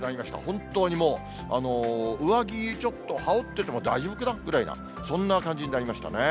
本当にもう、上着ちょっと羽織ってても大丈夫かなぐらいな、そんな感じになりましたね。